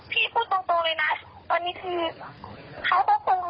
เขาผมรู้สึกว่ามันจะเป็นสันสนแหล่ะหรือเปล่า